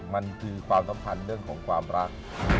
มันคือความสัมพันธ์เรื่องของความรัก